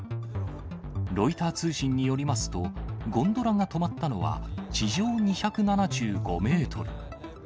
ロイター通信によりますと、ゴンドラが止まったのは、地上２７５メートル。